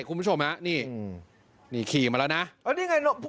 คุณผู้ชมฮะนี่นี่ขี่มาแล้วนะอ๋อนี่ไง